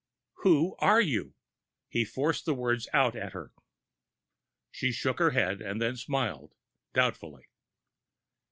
"Who are you?" He forced the words out at her. She shook her head, and then smiled doubtfully.